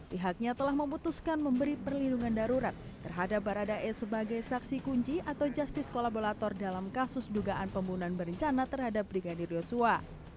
pihaknya telah memutuskan memberi perlindungan darurat terhadap baradae sebagai saksi kunci atau justice kolaborator dalam kasus dugaan pembunuhan berencana terhadap brigadir yosua